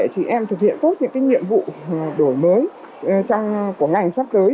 chị em thực hiện tốt những cái nhiệm vụ đổi mới của ngành sắp tới